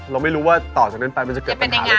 เราไม่รู้ว่าต่อจากนั้นไปมันจะเกิดปัญหาอะไร